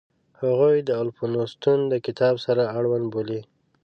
هغوی د الفونستون د کتاب سره اړوند بولي.